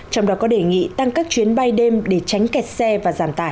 trong đó có đề nghị tăng các chuyến bay đêm để tránh kẹt xe và giảm tải